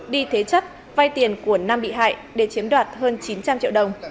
đi thế chất vay tiền của nam bị hại để chiếm đoạt hơn chín trăm linh triệu đồng